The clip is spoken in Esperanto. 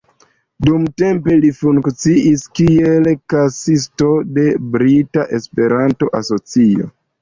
Dumtempe li funkciis kiel kasisto de Brita Esperanto-Asocio.